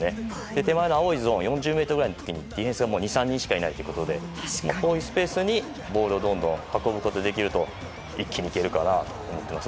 手前の青いゾーン４０ｍぐらいのところにディフェンスが２３人しかいないということでこういうスペースにボールをどんどん運ぶことができると一気にいけるかなと思います。